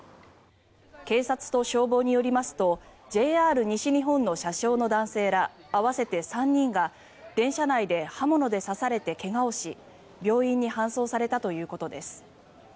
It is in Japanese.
警察と消防によりますとＪＲ西日本の車掌の男性ら合わせて３人が電車内で刃物で刺されてけがをし病院に搬送されたということです。